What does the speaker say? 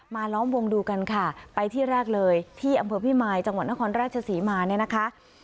ล้อมวงดูกันค่ะไปที่แรกเลยที่อำเภอพิมายจังหวัดนครราชศรีมาเนี่ยนะคะ